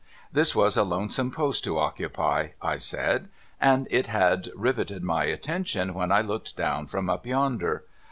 This was a lonesome post to occupy (I said), and it had riveted my attention when I looked down from up yonder.